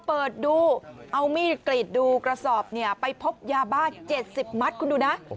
เปิดดูเอามีดกรีดดูกระสอบเนี่ยไปพบยาบ้า๗๐มัดคุณดูนะ